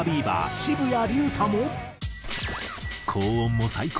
渋谷龍太も。